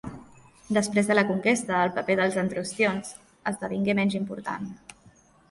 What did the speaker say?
Després de la conquesta, el paper dels "antrustions" esdevingué menys important.